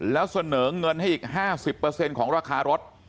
แล้วเสนอเงินให้อีก๕๐ของราคารถ